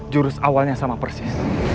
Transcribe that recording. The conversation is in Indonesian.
jurus awalnya sama persis